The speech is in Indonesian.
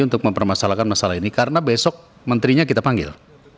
untuk mempermasalahkan masalah ini karena besok menterinya kita panggil